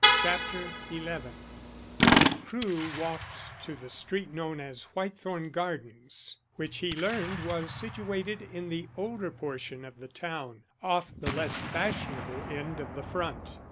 CHAPTER XI CREWE walked to the street known as Whitethorn Gardens, which he learned was situated in the older portion of the town, off the less fashionable end of the front.